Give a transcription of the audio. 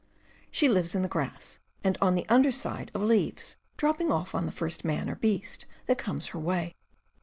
She lives in the grass, and on the under side of leaves, dropping off on the first man or beast that comes her way.